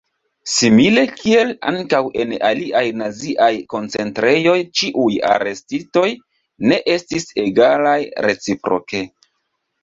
Simile kiel ankaŭ en aliaj naziaj koncentrejoj ĉiuj arestitoj ne estis egalaj reciproke.